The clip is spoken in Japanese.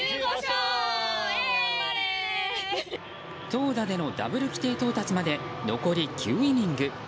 投打でのダブル規定到達まで残り９イニング。